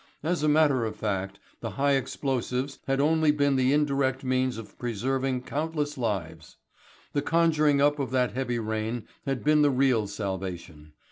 As a matter of fact, the high explosives had only been the indirect means of preserving countless lives. The conjuring up of that heavy rain had been the real salvation.